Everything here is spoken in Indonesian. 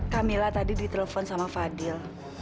camilla tadi ditelepon sama fadil